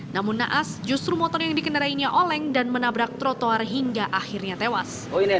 namun naas justru motor yang dikendarainya oleng dan menabrak trotoar hingga akhirnya tewas